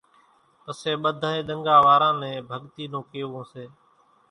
پسي ٻڌانئين ۮنڳا واران نين ڀڳتي نون ڪيوون سي،